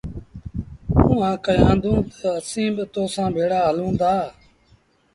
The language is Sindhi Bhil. اُئآݩٚ ڪهيآندونٚ تا، ”اسيٚݩٚ با تو سآݩٚ ڀيڙآ هلونٚ دآ۔